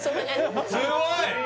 すごい！